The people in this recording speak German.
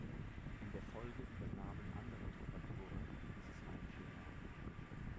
In der Folge übernahmen andere Troubadoure dieses Reimschema.